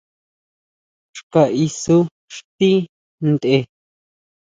Xka isú xtí tʼen.